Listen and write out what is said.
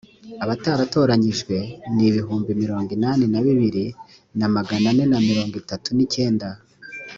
abataratoranyijwe ni ibihumbi mirongo inani na bibiri na magana ane na mirongo itatu n’ icyenda